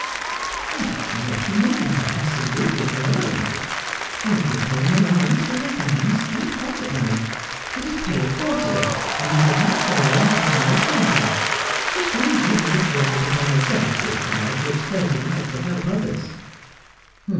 ' I don't know what you mean by absolutely her own. I give her an allowance for her gowns and pocket money. It is paid quarterly, and is as much her own as money can be. She spends very little of it upon herself, dear child, for it is her delight to help others.'